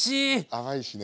甘いしね